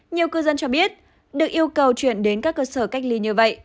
nhiều cư dân cho biết được yêu cầu chuyển đến các cơ sở cách ly như vậy